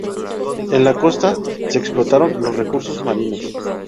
En la costa se explotaron los recursos marinos.